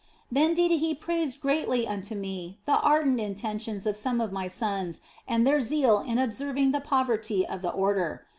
Then did he praise greatly unto me the ardent in tentions of some of my sons and their zeal in observing the poverty of the Order.